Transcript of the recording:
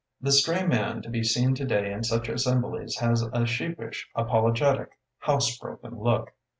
The stray man to be seen today in such as semblies has a sheepish, apologetic, house broken look.